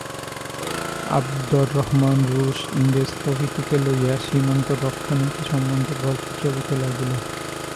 আবদর রহমান, রুস, ইংরেজ প্রভৃতিকে লইয়া সীমান্তরক্ষানীতি সম্বন্ধে গল্প চলিতে লাগিল।